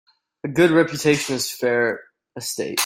A good reputation is a fair estate.